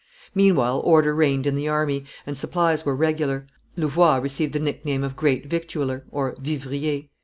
Meanwhile order reigned in the army, and supplies were regular. Louvois received the nickname of great Victualler (Vivrier).